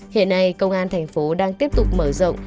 hiện nay công an thành phố đang tiếp tục mở rộng